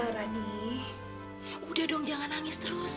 rani udah dong jangan nangis terus